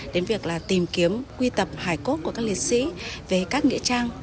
đến việc là tìm kiếm quy tập hải cốt của các liệt sĩ về các nghĩa trang